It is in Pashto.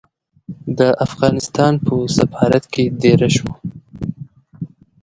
د افغانستان په سفارت کې دېره شوم.